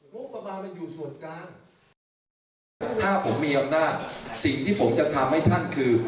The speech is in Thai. ถ้าผมมีอำนาจสิ่งที่ผมจะทำให้ท่านคือ